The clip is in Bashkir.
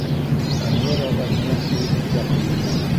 Әнүәр ағай менән ул бик яҡын булманы.